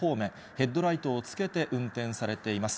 ヘッドライトをつけて運転されています。